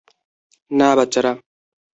না, বাচ্চারা!